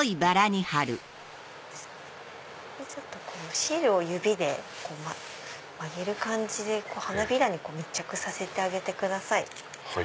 シールを指で曲げる感じで花びらに密着させてあげてください。